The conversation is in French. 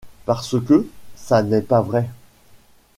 Parce que. .. ça n’est pas vrai !